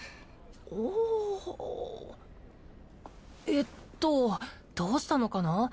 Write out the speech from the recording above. えっとどうしたのかな？